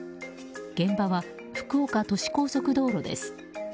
現場は福岡都市高速道路です。